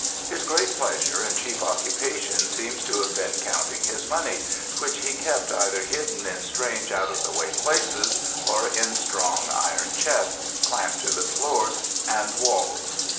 His great pleasure and chief occupation seems to have been counting his money, which he kept either hidden in strange out of the way places, or in strong iron chests, clamped to the floors and walls.